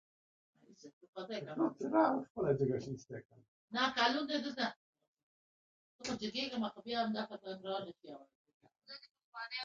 ازادي راډیو د اقلیتونه په اړه د نوښتونو خبر ورکړی.